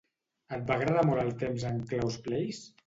Et va agradar molt el temps en Klaus 'Place.